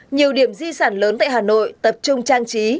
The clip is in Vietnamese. nhiều điểm di sản lớn tại hà nội tập trung trang trí